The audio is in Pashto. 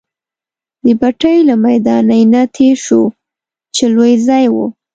د بټۍ له میدانۍ نه تېر شوو، چې لوی ځای وو.